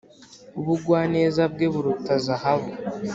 ubugwaneza bwe buruta zahabu